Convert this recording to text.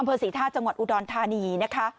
อำเภอศรีธาสตร์จังหวัดอุดรธานีนะคะ